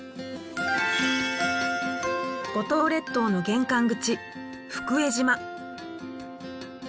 五島列島の玄関口福江島。